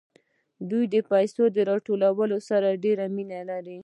دوی د پیسو له راټولولو سره ډېره مینه لري